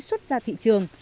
xuất ra thị trường